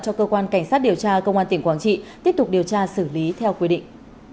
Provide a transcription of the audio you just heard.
cho cơ quan cảnh sát điều tra công an tỉnh quảng trị tiếp tục điều tra xử lý theo quy định